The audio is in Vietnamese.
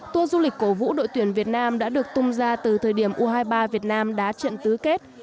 tour du lịch cổ vũ đội tuyển việt nam đã được tung ra từ thời điểm u hai mươi ba việt nam đá trận tứ kết